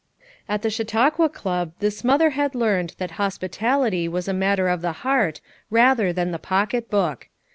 At the Chautauqua Club this mother had learned that hospitality was a matter of the heart, rather than the pocket book.